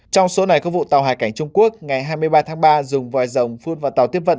trong số này có vụ tàu hải cảnh trung quốc ngày hai mươi ba tháng ba dùng vòi rồng phun vào tàu tiếp vận